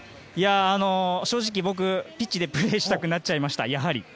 正直、僕、ピッチでやはりプレーしたくなっちゃいました。